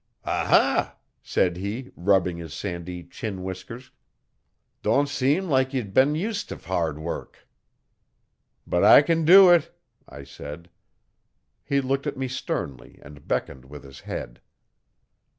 'Ah ha!' said he, rubbing his sandy chin whiskers. 'Don't seem like ye'd been used to hard wurruk.' 'But I can do it,' I said. He looked at me sternly and beckoned with his head.